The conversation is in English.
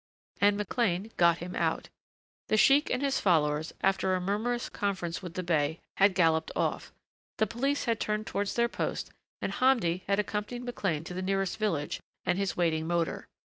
And McLean had got him out. The sheik and his followers after a murmurous conference with the bey had galloped off; the police had turned towards their post and Hamdi had accompanied McLean to the nearest village and his waiting motor.